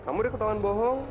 kamu udah ketahuan bohong